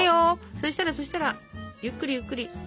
そしたらそしたらゆっくりゆっくり。